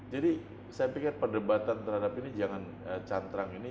jadi saya pikir perdebatan terhadap ini jangan cantrang ini